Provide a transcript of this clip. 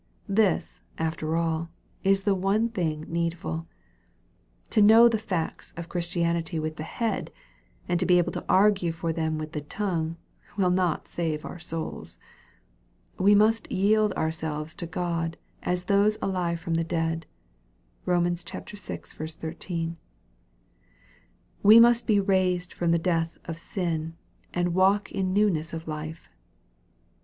This, after all, is the one thing needful. To know the facts of Chris tianity with the head, and to be able to argue for them with the tongue, will not save our souls. We must yield ourselves to God as those alive from the dead. (Bom. vi. 13.) We must be raised from the death of sin, and walk in newness of life.